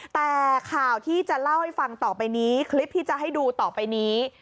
แต่ข่าวที่จะเล่าให้ฟังต่อไปนี้คลิปที่จะให้ดูต่อไปนี้